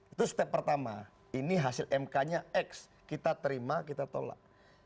itu step pertama ini hasil mk nya x kita terima kita tolak